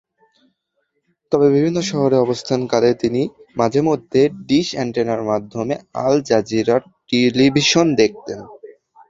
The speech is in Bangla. তবে বিভিন্ন শহরে অবস্থানকালে তিনি মাঝেমধ্যে ডিশ অ্যানটেনার মাধ্যমে আল-জাজিরা টেলিভিশন দেখতেন।